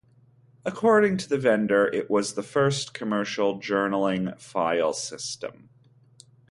According to the vendor, it was the first commercial journaling file system.